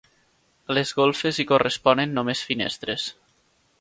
A les golfes hi corresponen només finestres.